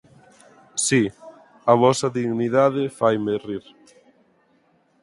Si, a vosa dignidade faime rir.